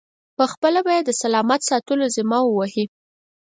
پخپله به یې د سلامت ساتلو ذمه و وهي.